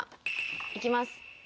いきます。